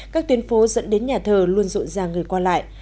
các tuyến phố dẫn đến nhà thờ luôn rộn ràng người qua lại